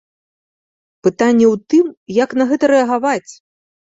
Пытанне ў тым, як на гэта рэагаваць.